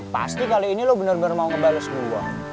pasti kali ini lo bener bener mau ngebales gue